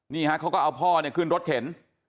นี่ฮะเขาก็เอาพ่อเนี่ยขึ้นรถเข็น